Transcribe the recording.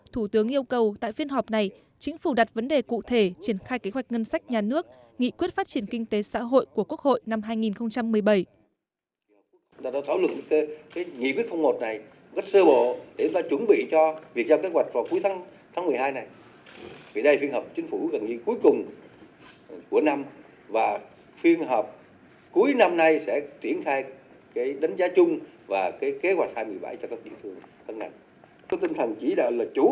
theo thủ tướng yêu cầu tại phiên họp này chính phủ đặt vấn đề cụ thể triển khai kế hoạch ngân sách nhà nước